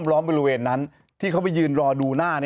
ทางแฟนสาวก็พาคุณแม่ลงจากสอพอ